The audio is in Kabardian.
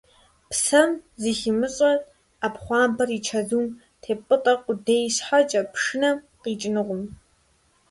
Псэм зыхимыщӀэр, Ӏэпхъуамбэр и чэзум теппӀытӀэ къудей щхьэкӀэ, пшынэм къикӀынукъым.